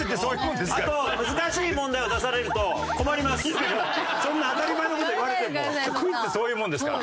あと難しい問題を出されるとそんな当たり前の事言われてもクイズってそういうもんですから。